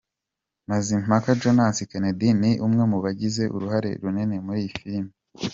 Mazimpaka Jones Kennedy ni umwe mu bagize uruhare runini muri iyi filime.